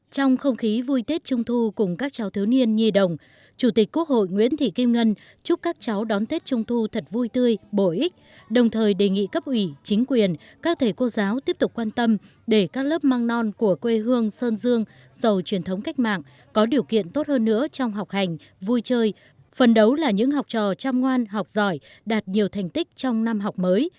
trong không khí vui tết trung thu cùng các cháu thiếu niên nhi đồng chủ tịch quốc hội nguyễn thị kim ngân chúc các cháu đón tết trung thu thật vui tươi bổ ích đồng thời đề nghị cấp ủy chính quyền các thể cô giáo tiếp tục quan tâm để các lớp măng non của quê hương sơn dương dầu truyền thống cách mạng có điều kiện tốt hơn nữa trong học hành vui chơi phần đấu là những học trò chăm ngoan học giỏi đạt nhiều thành tích trong năm học mới